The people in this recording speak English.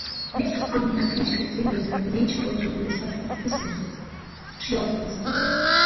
This account might attempt to explain the nature, origin and structure of Pessinus' theocracy.